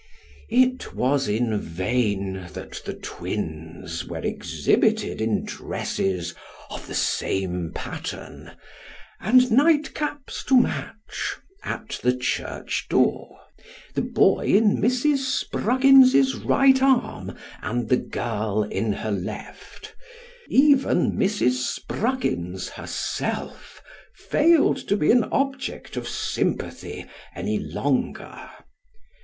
It was in vain that the twins were exhibited in dresses of the same pattern, and night caps to match, at the church door : the boy in Mrs Spruggins's right arm, and the girl in her left even Mrs. Spruggins herself failed to be an object of sympathy any longer.